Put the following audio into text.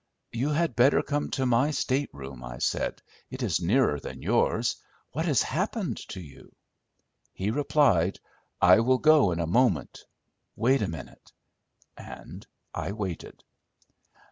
"You had better come to my state room," I said; "it is nearer than yours. What has happened to you?" He replied, "I will go in a moment. Wait a minute." And I waited.